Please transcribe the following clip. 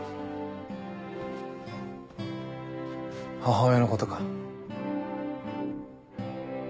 母親のことか？